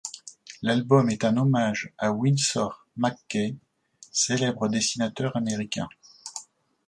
L’album est un hommage à Winsor McCay célèbre dessinateur américain.